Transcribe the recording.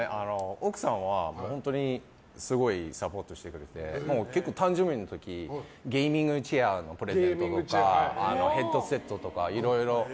奥さんはすごいサポートしてくれて結構、誕生日の時ゲーミングチェアのプレゼントとかヘッドセットとかいろいろ。